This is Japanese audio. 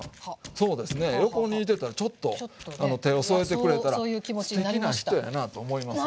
そうですね横にいてたらちょっと手を添えてくれたらすてきな人やなと思いますから。